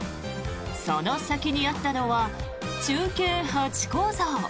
その先にあったのは忠犬ハチ公像。